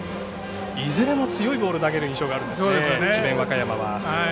いずれも強いボールを投げる印象がありますね、智弁和歌山は。